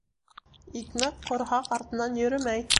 Икмәк ҡорһаҡ артынан йөрөмәй.